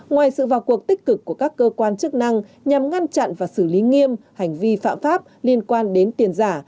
ngoài sự vào cuộc tích cực của các cơ quan chức năng nhằm ngăn chặn và xử lý nghiêm hành vi phạm pháp liên quan đến tiền giả